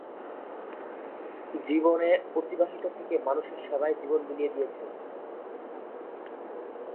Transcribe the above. জীবনে অবিবাহিত থেকে মানুষের সেবায় জীবন বিলিয়ে দিয়েছেন।